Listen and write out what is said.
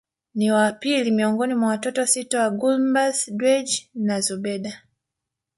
Ni wa pili miongoni mwa watoto sita wa Gulamabbas Dewji na Zubeda